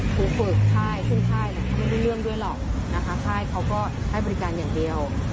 ครูฝึกค่ายซึ่งค่ายเนี่ยเขาไม่ได้เรื่องด้วยหรอกนะคะค่ายเขาก็ให้บริการอย่างเดียว